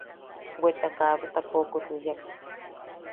Bweta kabeta koʼokosi yak.